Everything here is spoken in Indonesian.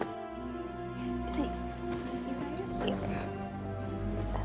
terima kasih banyak